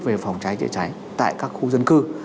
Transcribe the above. về phòng cháy chữa cháy tại các khu dân cư